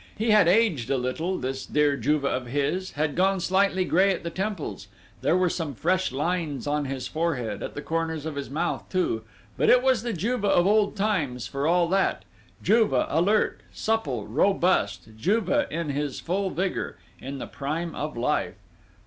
He had aged a little, this dear Juve of his had gone slightly grey at the temples: there were some fresh lines on his forehead, at the corners of his mouth, too; but it was the Juve of old times, for all that!... Juve, alert, souple, robust, Juve in his full vigour, in the prime of life!